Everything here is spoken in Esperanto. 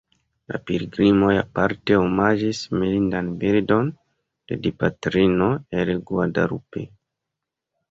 La pilgrimoj aparte omaĝis mirindan bildon de Dipatrino el Guadalupe.